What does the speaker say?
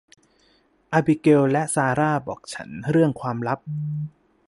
อาบิเกลและซาร่าบอกฉันเรื่องความลับ